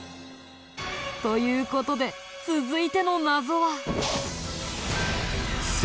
という事で続いての謎は。